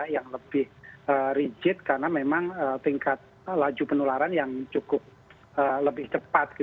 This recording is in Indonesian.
yang lebih rigid karena memang tingkat laju penularan yang cukup lebih cepat